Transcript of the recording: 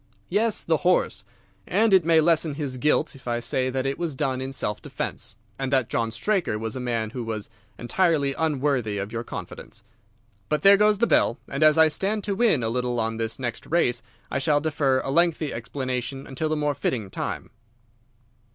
"Yes, the horse. And it may lessen his guilt if I say that it was done in self defence, and that John Straker was a man who was entirely unworthy of your confidence. But there goes the bell, and as I stand to win a little on this next race, I shall defer a lengthy explanation until a more fitting time."